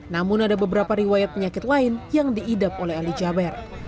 namun ada beberapa riwayat penyakit lain yang diidap oleh ali jaber